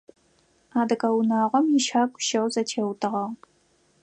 Адыгэ унагъом ищагу щэу зэтеутыгъагъ.